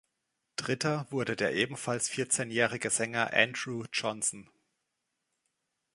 Dritter wurde der ebenfalls vierzehnjährige Sänger „Andrew Johnson“.